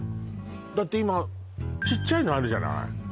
だって今ちっちゃいのあるじゃない